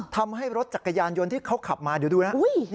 ทำให้รถจักรยานยนต์ที่เขาขับมาเดี๋ยวดูนะ